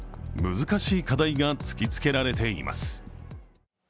難しい課題が突きつけられています。